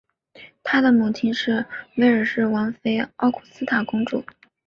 他的母亲是威尔士王妃奥古斯塔公主。